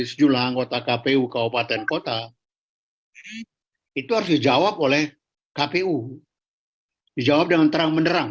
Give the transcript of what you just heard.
sejumlah anggota kpu kabupaten kota itu harus dijawab oleh kpu dijawab dengan terang menerang